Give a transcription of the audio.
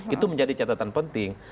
itu menjadi catatan penting